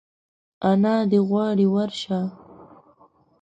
انا دي غواړي ورشه !